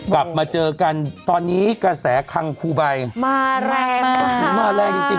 กลับมาเจอกันตอนนี้กระแสคังคูใบมาแรงมากมาแรงจริงจริง